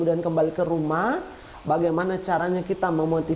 jadi adanya masalah aslik semua antara kendaraan kami seperti itu